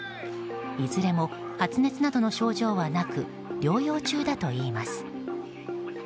いずれも発熱などの症状はなく療養中だといいます。